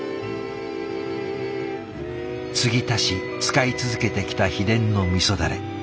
継ぎ足し使い続けてきた秘伝の味だれ。